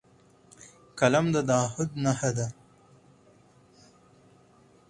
قلم د تعهد نښه ده